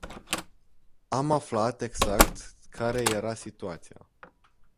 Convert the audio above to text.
Am aflat exact care era situația.